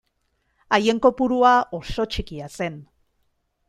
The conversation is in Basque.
Haien kopurua oso txikia zen.